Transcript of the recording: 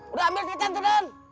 udah ambil titan tuh dan